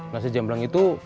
nasi jamblang itu